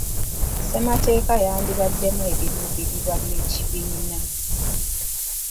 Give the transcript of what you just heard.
Ssemateeka yandibaddemu ebiruubirirwa by’ekibiina.